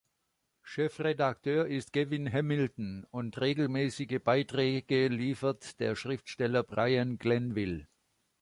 Chefredakteur ist Gavin Hamilton und regelmäßige Beiträge liefert der Schriftsteller Brian Glanville.